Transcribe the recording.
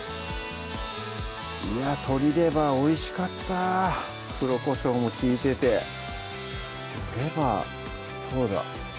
いや鶏レバーおいしかった黒こしょうも利いててでもレバーそうだ